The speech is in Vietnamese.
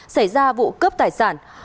xảy ra vụ cướp tài sản